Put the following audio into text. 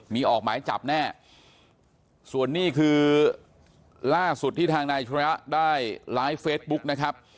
มีออกหมายจับแน่ส่วนนี้คือล่าสุดที่ทางนายสุริยะได้ไลฟ์เฟซบุ๊กนะครับ